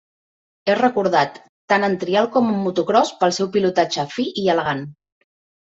És recordat, tant en trial com en motocròs, pel seu pilotatge fi i elegant.